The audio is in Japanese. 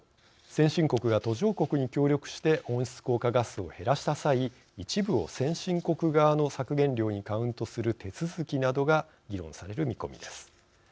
先進国が途上国に協力して温室効果ガスを減らした際一部を先進国側の削減量にカウントする手続きなどが議論される見込みです。